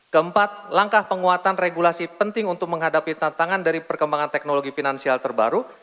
keempat langkah penguatan regulasi penting untuk menghadapi tantangan dari perkembangan teknologi finansial terbaru